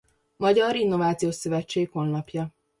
Magyar Innovációs Szövetség honlapja